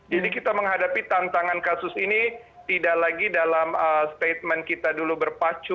jadi kita menghadapi tantangan kasus ini tidak lagi dalam statement kita dulu berpacu